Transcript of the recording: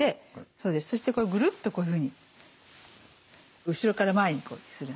そしてぐるっとこういうふうに後ろから前にするんですね。